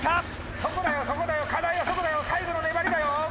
そこだよそこだよ課題はそこだよ最後の粘りだよ。